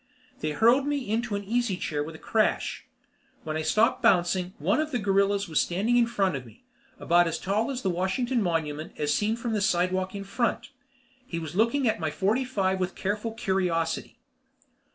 They hurled me into an easy chair with a crash. When I stopped bouncing, one of the gorillas was standing in front of me, about as tall as Washington Monument as seen from the sidewalk in front. He was looking at my forty five with careful curiosity.